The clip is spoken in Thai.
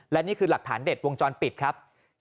และนี่คือหลักฐานเด็ดวงจรปิดครับ